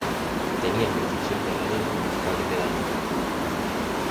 Tenía jurisdicción de realengo con alcalde pedáneo.